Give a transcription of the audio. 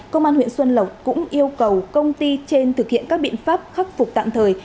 công an huyện xuân lộc cũng yêu cầu công ty trên thực hiện các biện pháp khắc phục tạm thời